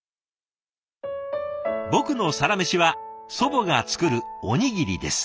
「僕のサラメシは、祖母がつくるおにぎりです。